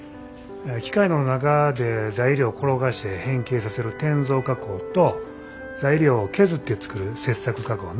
機械の中で材料を転がして変形させる転造加工と材料を削って作る切削加工な。